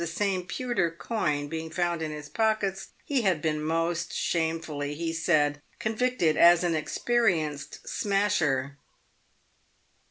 the same pewter coin being found in his pockets, he had been most shamefully, he said, convicted as an experienced smasher.